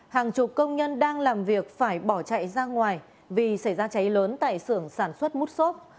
hàng chục công nhân đang làm việc phải bỏ chạy ra ngoài vì xảy ra cháy lớn tại sưởng sản xuất mút xốp